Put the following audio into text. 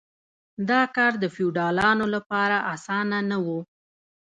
دا کار د فیوډالانو لپاره اسانه نه و.